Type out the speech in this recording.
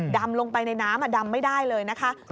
ดำลงไปในน้ำดำไม่ได้เลยนะคะ